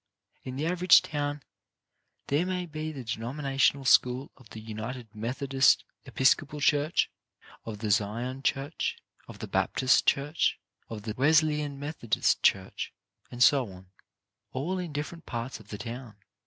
In the average town there may be the denomina tional school of the African Methodist Episcopal church, of the Zion church, of the Baptist church, of the Wesleyan Methodist church, and so on, all in different parts of the town.